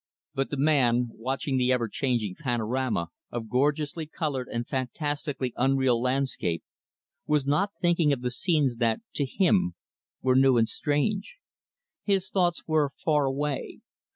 But the man watching the ever changing panorama of gorgeously colored and fantastically unreal landscape was not thinking of the scenes that, to him, were new and strange. His thoughts were far away.